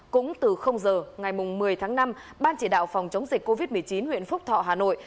cũng từ giờ ngày một mươi tháng năm ban chỉ đạo phòng chống dịch covid một mươi chín huyện phúc thọ hà nội